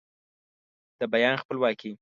د بیان خپلواکي